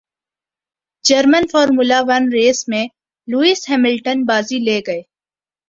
German formula one race میں Lewis Hamilton بازی لے گئے